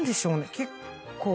結構。